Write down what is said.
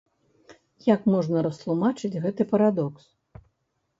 Як можна растлумачыць гэты парадокс?